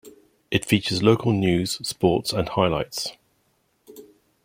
It features local news, sports, and highlights.